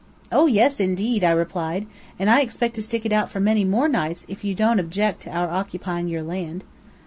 "Oh yes, indeed," I replied, "and expect to stick it out for a many more nights if you don't object to our occupying your land."